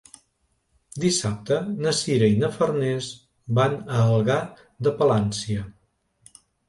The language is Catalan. Dissabte na Sira i na Farners van a Algar de Palància.